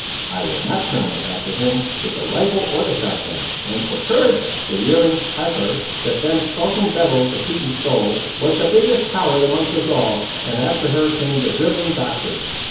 I will not turn my back to him, with the rifle or the shot gun; and for courage!—the yearling heifer, that them skulking devils the Tetons stole, was the biggest coward among us all, and after her came your drivelling Doctor.